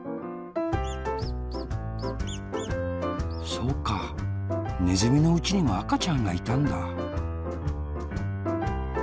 そうかねずみのおうちにもあかちゃんがいたんだ。